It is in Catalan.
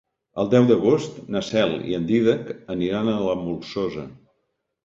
El deu d'agost na Cel i en Dídac aniran a la Molsosa.